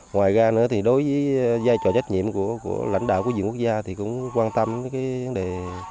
ngoài ra nữa thì đối với giai trò trách nhiệm của lãnh đạo quốc gia thì cũng quan tâm đến cái vấn đề